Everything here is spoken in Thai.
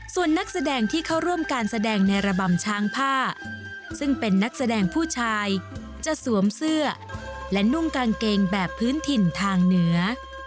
ส่วนนักแสดงที่เข้าร่วมการแสดงในระบำช้างผ้าซึ่งเป็นนักแสดงผู้ชายจะสวมเสื้อและนุ่งกางเกงแบบพื้นถิ่นทางเหนือ